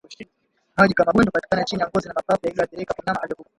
Maji kama gundi hupatikana chini ya ngozi na mapafu yaliyoathirika kwa mnyama aliyekufa